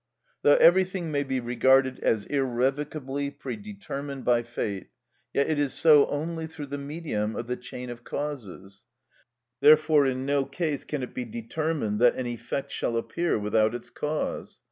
Though everything may be regarded as irrevocably predetermined by fate, yet it is so only through the medium of the chain of causes; therefore in no case can it be determined that an effect shall appear without its cause.